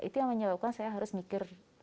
itu yang menyebabkan saya harus mikir